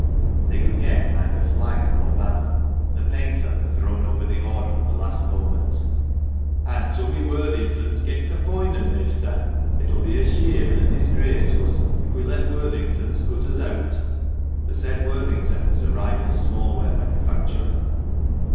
They could get neither flag nor banner ; the painter had thrown over the order at the last moment. "An' Tummy Worthington's getten a foine un, measter. It'll be a sheame an' a disgrace to us o' if we let Worthington's cut us eawt." THE MANCHESTER MAN. 295 [The said Worthington was a rival small ware manufacturer.